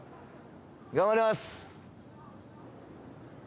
頑張ります